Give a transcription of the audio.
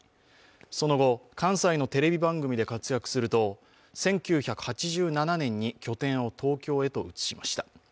その後、関西のテレビ番組で活躍すると１９８７年に拠点を東京へと移しました。